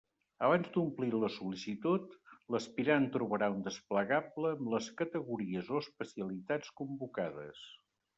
Abans d'omplir la sol·licitud, l'aspirant trobarà un desplegable amb les categories o especialitats convocades.